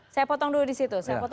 saya potong dulu di situ